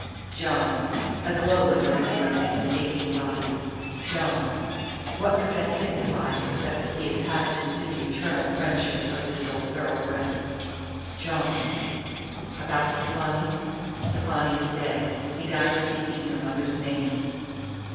John. A glow went over the young man's aching body. John. What could that signify except that he had passed into the eternal friendship of this old thoroughbred? John. "About Stefani?" "Stefani is dead. He died speaking your mother's name."